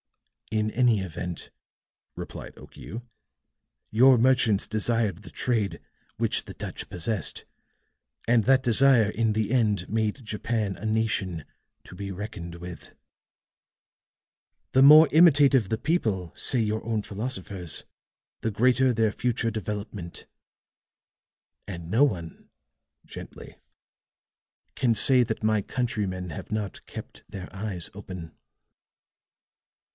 "In any event," replied Okiu, "your merchants desired the trade which the Dutch possessed, and that desire, in the end, made Japan a nation to be reckoned with. The more imitative the people, say your own philosophers, the greater their future development. And no one," gently, "can say that my countrymen have not kept their eyes open."